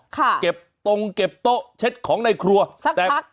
ค่ะเก็บตรงเก็บโต๊ะเช็บของในครัวแต่สักพัก